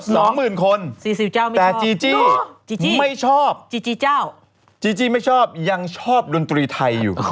น้องพ่อเลิศจริงเลยอ่ะ